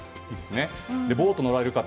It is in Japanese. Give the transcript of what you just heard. ボート乗られる方